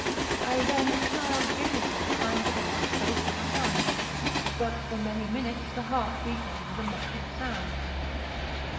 I then smiled gaily, to find the deed so far done. But, for many minutes, the heart beat on with a muffled sound.